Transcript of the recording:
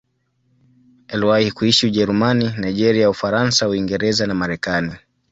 Aliwahi kuishi Ujerumani, Nigeria, Ufaransa, Uingereza na Marekani.